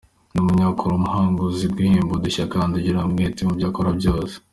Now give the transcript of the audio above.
Ni umunyakuri, umuhanga, uzi guhimba udushya kandi ugira umwete mu byo kora byose.